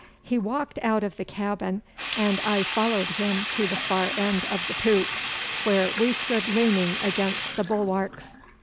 He walked out of the cabin and I followed him to the far end of the poop, where we stood leaning against the bulwarks.